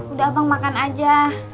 udah bang makan aja